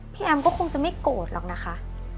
แอมก็คงจะไม่โกรธหรอกนะคะ